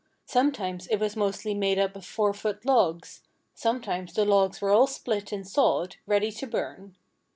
Sometimes it was mostly made up of four foot logs. Sometimes the logs were all split and sawed, ready to burn.